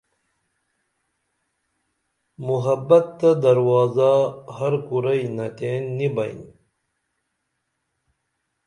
محبت تہ دروازہ ہر کُرئی نتین نی بئین